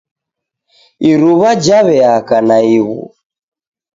Iruwa jaweaka naighu.